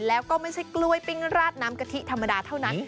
แล้วก็ไม่ใช่กล้วยปิ้งราดน้ำกะทิธรรมดาเท่านั้น